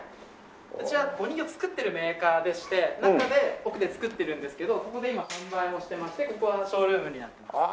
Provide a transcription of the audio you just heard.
うちはお人形を作ってるメーカーでして中で奥で作ってるんですけどここで今販売もしてましてここはショールームになってます。